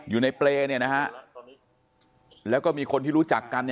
อยู่ในเปรย์แล้วก็มีคนที่รู้จักกัน